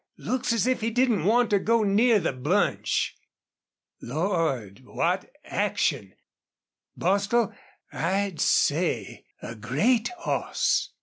Looks as if he didn't want to go near the bunch. Lord! what action! ... Bostil, I'd say a great hoss!"